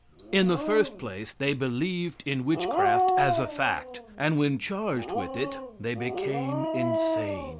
In the first place, they believed in witchcraft as a fact, and when charged with it, they became insane.